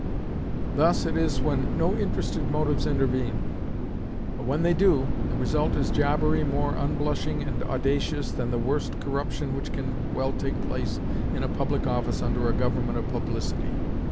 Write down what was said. Thus it is when no interested motives intervene; but when they do, the result is jobbery more unblushing and audacious than the worst corruption which can well take place in a public office under a government of publicity.